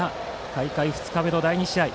大会２日目の第２試合。